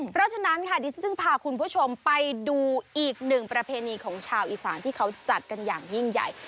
เพราะฉะนั้นค่ะดิฉันจึงพาคุณผู้ชมไปดูอีกหนึ่งประเพณีของชาวอีสานที่เขาจัดกันอย่างยิ่งใหญ่